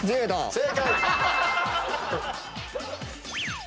正解。